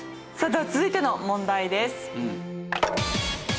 では続いての問題です。